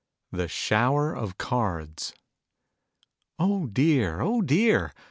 THE SHOWER OF CARDS. Oh dear, oil dear !